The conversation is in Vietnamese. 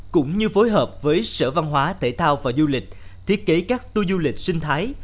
cũng như phối hợp với sở văn hóa thể thao và du lịch thiết kế các tour du lịch sinh thái